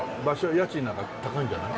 家賃なんか高いんじゃない？